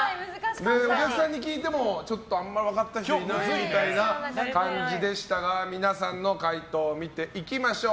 お客さんに聞いてもあんまり分かった人いないみたいな感じでしたが皆さんの解答を見ていきましょう。